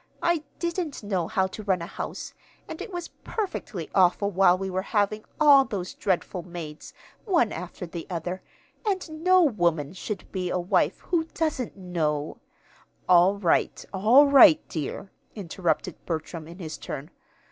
"I didn't know how to run a house, and it was perfectly awful while we were having all those dreadful maids, one after the other; and no woman should be a wife who doesn't know " "All right, all right, dear," interrupted Bertram, in his turn.